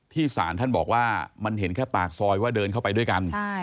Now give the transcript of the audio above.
ศาลท่านบอกว่ามันเห็นแค่ปากซอยว่าเดินเข้าไปด้วยกัน